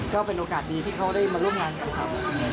ก็เป็นโอกาสดีที่เขาได้มาร่วมงานกับเขา